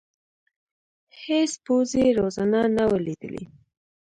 هېڅ پوځي روزنه نه وه لیدلې.